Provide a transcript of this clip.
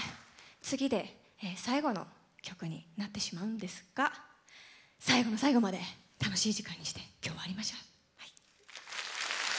次で最後の曲になってしまうんですが最後の最後まで楽しい時間にして今日を終わりましょう。